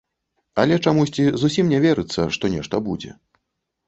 Але чамусьці зусім не верыцца, што нешта будзе.